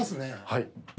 「はい」